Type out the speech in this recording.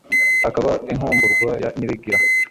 Akaba inkumburwa ya Nyirigira.